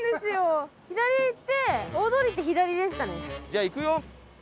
じゃあ行くよ。